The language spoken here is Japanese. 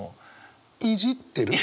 いじってる？